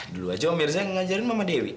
dulu aja om mirza yang ngajarin mama dewi